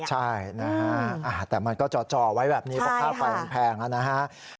ใช่นะฮะอ่าแต่มันก็จอไว้แบบนี้เพราะค่าแพงนะฮะ